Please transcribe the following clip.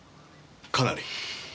かなり。